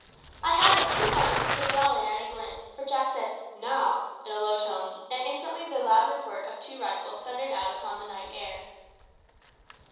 I had but two moments to take it all in at a glance, for Jack said "Now!" in a low tone, and instantly the loud report of the two rifles thundered out upon the night air.